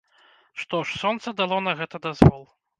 Што ж, сонца дало на гэта дазвол.